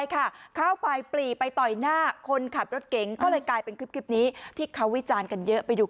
ถ้าคุณไม่ลงที่นี่ค่ะคุณตายถ้าคุณลงที่นี่ค่ะถ้าคุณตาย